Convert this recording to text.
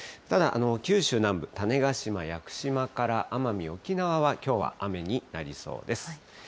ただ、九州南部、種子島、屋久島から奄美・沖縄はきょうは雨になりそうです。